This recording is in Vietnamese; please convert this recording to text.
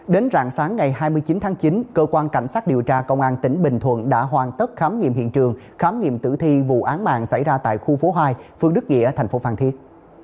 đến rạng sáng ngày hai mươi chín tháng chín cơ quan cảnh sát điều tra công an tỉnh bình thuận đã hoàn tất khám nghiệm hiện trường khám nghiệm tử thi vụ án mạng xảy ra tại khu phố hai phương đức nghĩa thành phố phan thiết